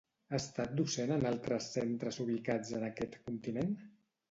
Ha estat docent en altres centres ubicats en aquest continent?